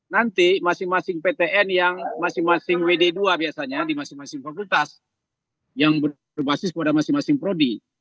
nanti masing masing ptn yang masing masing wd dua biasanya di masing masing fakultas yang berbasis pada masing masing prodi